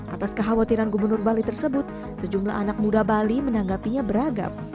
atas kekhawatiran gubernur bali tersebut sejumlah anak muda bali menanggapinya beragam